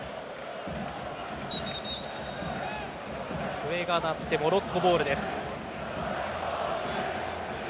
笛が鳴ってモロッコボールです。